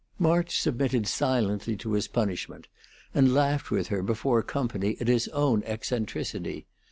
March submitted silently to his punishment, and laughed with her before company at his own eccentricity.